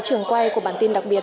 trường quay của bản tin đặc biệt